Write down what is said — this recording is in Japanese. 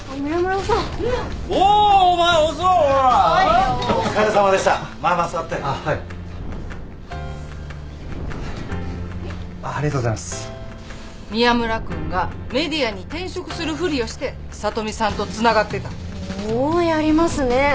ほおやりますね。